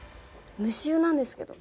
無臭なんですけど。